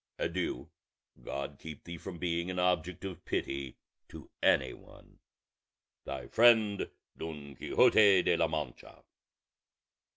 Adieu; God keep thee from being an object of pity to any one. "Thy friend "DON QUIXOTE OF LA MANCHA."